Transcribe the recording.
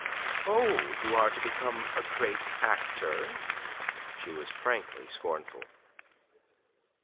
"Oh, you are to become a great actor?" She was frankly scornful.